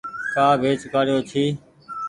ڪآ ويچ ڪآڙيو ڇي۔